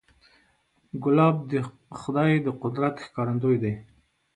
ګلاب د خدای د قدرت ښکارندوی دی.